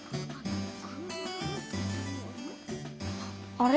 あれ？